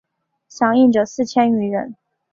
响应者四千余人。